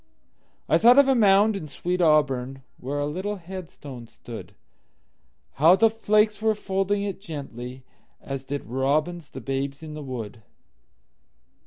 I thought of a mound in sweet AuburnWhere a little headstone stood; How the flakes were folding it gently, As did robins the babes in the wood.